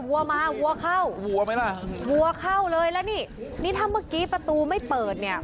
วัวมาวัวเข้าวัวไหมล่ะวัวเข้าเลยแล้วนี่นี่ถ้าเมื่อกี้ประตูไม่เปิดเนี่ย